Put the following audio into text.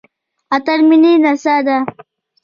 اتن ملي نڅا ده